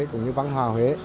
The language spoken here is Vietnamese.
cũng như văn hóa huế